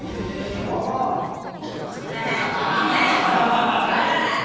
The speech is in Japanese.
わからん。